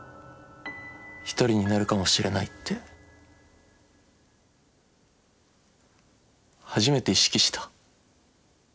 １人になるかもしれないって初めて意識した。